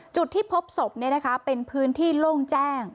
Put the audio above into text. จุดที่พบศพเป็นพื้นที่โล่งแจ้ง